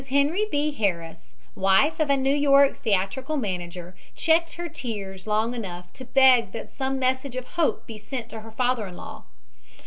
Henry B. Harris, wife of a New York theatrical manager, checked her tears long enough to beg that some message of hope be sent to her father in law.